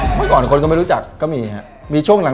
เมื่อก่อนคนก็ไม่รู้จักก็มีฮะ